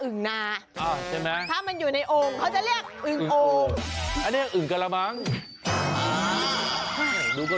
อึ้งก็ละมั้งอึ้งก็ละมั้ง